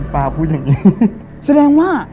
ป้าพูดอย่างนี้แสดงว่า